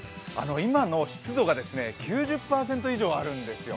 今の湿度が９０％以上あるんですよ。